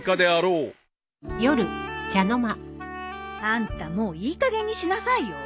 あんたもういいかげんにしなさいよ。